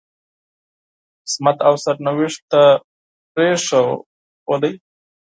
قسمت او سرنوشت ته پرېښود.